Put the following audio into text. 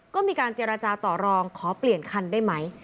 ก็มีการเจรจาต่อรองขอเปลี่ยนคันได้ไหม